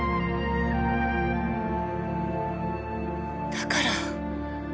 だから。